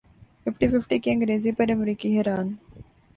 fifty fifty کی انگریزی پر امریکی حیران